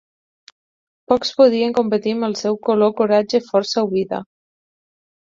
Pocs podien competir amb el seu "color, coratge, força o vida".